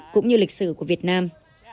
cũng như lịch sử của việt nam